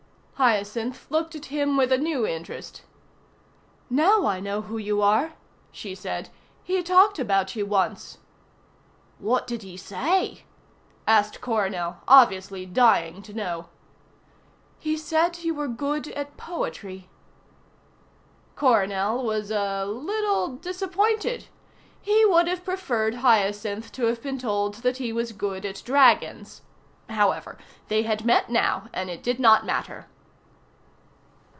Hyacinth looked at him with a new interest. "Now I know who you are," she said. "He talked about you once." "What did he say?" asked Coronel, obviously dying to know. "He said you were good at poetry." Coronel was a little disappointed. He would have preferred Hyacinth to have been told that he was good at dragons. However, they had met now and it did not matter.